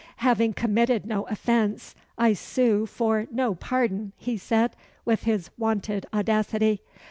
"Having committed no offence, I sue for no pardon," he said, with his wonted audacity.